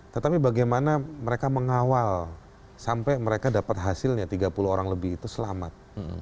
tetapi bagaimana mereka mengawal sampai mereka dapat hasilnya tiga puluh orang lebih itu selamat